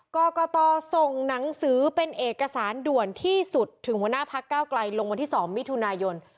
กรกตส่งหนังสือเป็นเอกสารด่วนที่สุดถึงหัวหน้าพักเก้าไกลลงวันที่๒มิถุนายน